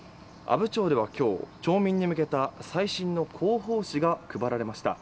阿武町では今日町民に向けた最新の広報誌が配られました。